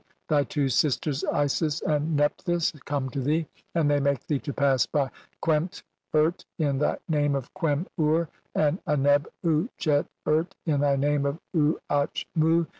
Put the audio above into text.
Thy two sisters Isis "and Nephthys come to thee, and they make thee "to pass by Qemt urt in thy name of Qem ur, and "Aneb uatchet urt in thy name of Uatch mu